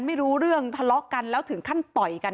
ไม่รู้เรื่องทะเลาะกันแล้วถึงขั้นต่อยกัน